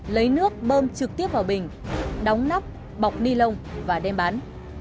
lấy nước bơm trực tiếp vào bình đóng nắp bọc ni lông và đem bán